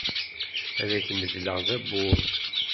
Ad ak-medleɣ tawwurt.